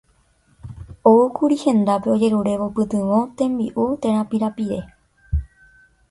Oúkuri hendápe ojerurévo pytyvõ, tembi'u térã pirapire.